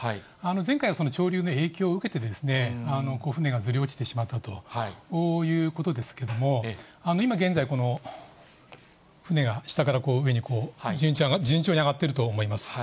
前回はその潮流の影響を受けて、船がずれ落ちてしまったということですけれども、今現在、この船が下から上にこう、順調に上がっていると思います。